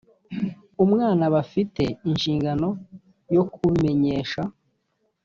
umwana bafite inshingano yo kubimenyesha